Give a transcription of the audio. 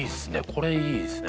これいいですね